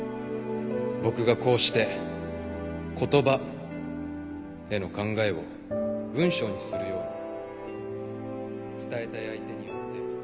僕がこうして「言葉」への考えを文章にするように伝えたい相手によって。